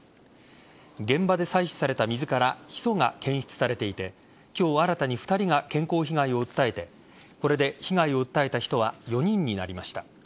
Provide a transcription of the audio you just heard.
現場で採取された水からヒ素が検出されていて今日、新たに２人が健康被害を訴えてこれで被害を訴えた人は４人になりました。